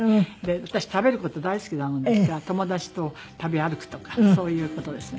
私食べる事大好きなもんですから友達と食べ歩くとかそういう事ですね。